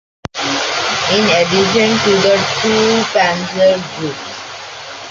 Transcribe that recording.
In addition to the two panzer groups.